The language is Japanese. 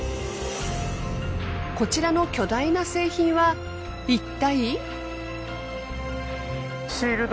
こちらの巨大な製品はいったい？